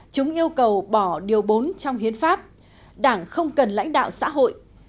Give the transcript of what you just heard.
chúng yêu cầu bỏ điều bốn trong hiến pháp đảng không cần lãnh đạo xã hội